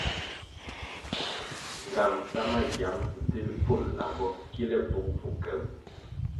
Ngang sa magiang dzil pfun lambo kile bvugubvu ke wu.